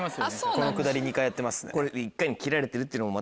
このくだり２回やってますね。